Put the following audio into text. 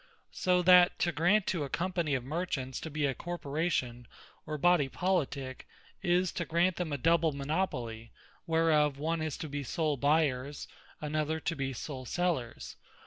So that to grant to a Company of Merchants to be a Corporation, or Body Politique, is to grant them a double Monopoly, whereof one is to be sole buyers; another to be sole sellers.